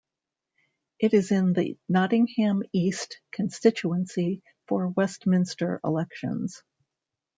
It is in the Nottingham East constituency for Westminster elections.